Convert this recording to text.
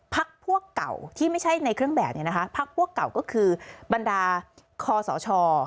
พักพวกเก่าที่ไม่ใช่ในเครื่องแบบเนี่ยนะคะพักพวกเก่าก็คือบรรดาคอสช